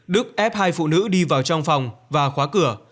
đức ép hai phụ nữ đi vào trong phòng và khóa cửa